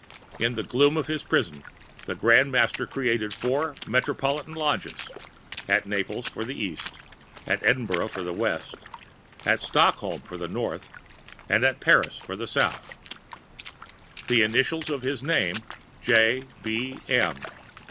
In the gloom of his prison, the Grand Master created four Metropolitan Lodges, at Naples for the East, at Edinburg for the West, at Stockholm for the North, and at Paris for the South." [The initials of his name, J.'. B.'. M.'.